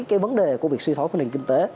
cái vấn đề của việc suy thoái của nền kinh tế